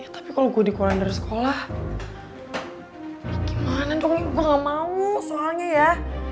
ya tapi kalau gue dikeluarin dari sekolah gimana dong gue gak mau soalnya ya